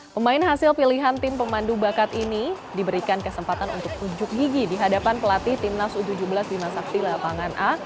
pemain hasil pilihan tim pemandu bakat ini diberikan kesempatan untuk ujuk gigi di hadapan pelatih timnas u tujuh belas bima sakti lapangan a